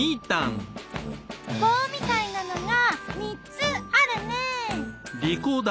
棒みたいなのが３つあるね。